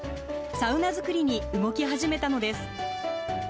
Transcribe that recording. サウナ作りに動き始めたのです。